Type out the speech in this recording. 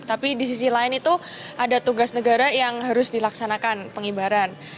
tapi di sisi lain itu ada tugas negara yang harus dilaksanakan pengibaran